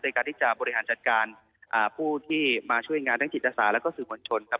ในการที่จะบริหารจัดการผู้ที่มาช่วยงานทั้งจิตศาสแล้วก็สื่อมวลชนครับ